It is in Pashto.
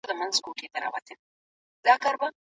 ثمر ګل خپل زوی ته ځواب ورنه کړ.